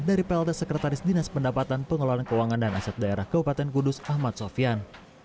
dari plt sekretaris dinas pendapatan pengelolaan keuangan dan aset daerah kabupaten kudus ahmad sofian